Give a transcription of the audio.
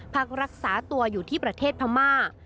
พักรักษาตัวอยู่ที่ประเทศพม่า